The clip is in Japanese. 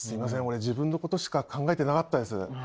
俺自分のことしか考えてなかったです。